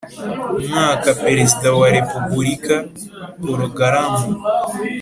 mwaka Perezida wa Repubulika porogaramu